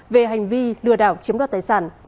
về hành vi lừa đảo chiếm đoạt tài sản